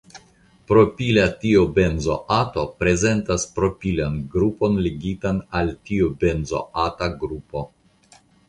Propila tiobenzoato prezentas propilan grupon ligitan al tiobenzoata grupo.